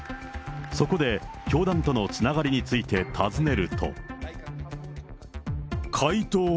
そこで、教団とのつながりについて尋ねると。